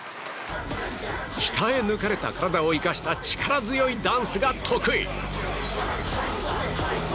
鍛え抜かれた体を生かした力強いダンスが得意。